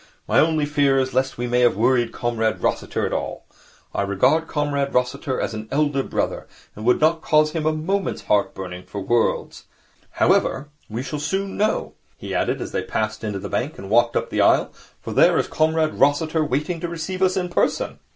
My only fear is lest we may have worried Comrade Rossiter at all. I regard Comrade Rossiter as an elder brother, and would not cause him a moment's heart burning for worlds. However, we shall soon know,' he added, as they passed into the bank and walked up the aisle, 'for there is Comrade Rossiter waiting to receive us in person.'